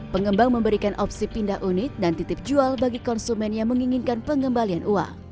pengembang memberikan opsi pindah unit dan titip jual bagi konsumen yang menginginkan pengembalian uang